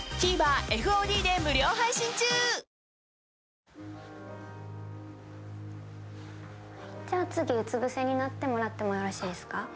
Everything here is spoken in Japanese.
じゃあ次うつぶせになってもらってもよろしいですか。